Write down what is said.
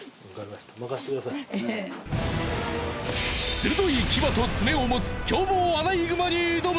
鋭い牙と爪を持つ凶暴アライグマに挑む！